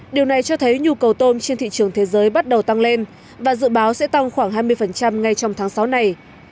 điều này cho thấy nhu cầu tôm trên thị trường thế giới bắt đầu tăng lên và dự báo sẽ tăng khoảng hai mươi ngay trong tháng sáu này